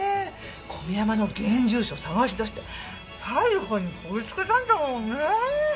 小宮山の現住所探し出して逮捕にこぎつけたんだもんね。